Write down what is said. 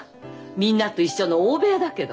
みんなと一緒の大部屋だけど。